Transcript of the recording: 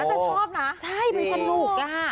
ชอบใช่เป็นสนุกค่ะ